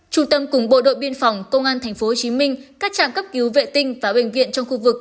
trung tâm cùng bộ đội biên phòng công an tp hcm các trạm cấp cứu vệ tinh và bệnh viện trong khu vực